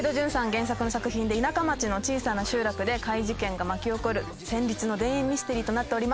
原作の作品で田舎町の小さな集落で怪事件が巻き起こる戦慄の田園ミステリーとなっております。